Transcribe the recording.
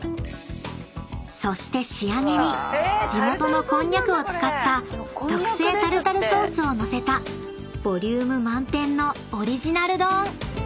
［そして仕上げに地元のこんにゃくを使った特製タルタルソースを載せたボリューム満点のオリジナル丼］